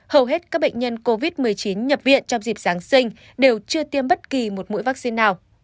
hầu hết các bệnh nhân covid một mươi chín nhập viện trong dịp giáng sinh đều chưa tiêm bất kỳ một mũi vaccine nào